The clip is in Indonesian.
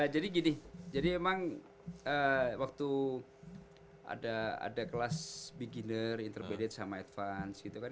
jadi gini jadi emang waktu ada kelas beginner intermediate sama advance gitu kan